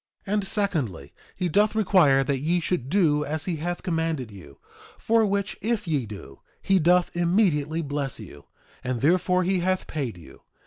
2:24 And secondly, he doth require that ye should do as he hath commanded you; for which if ye do, he doth immediately bless you; and therefore he hath paid you.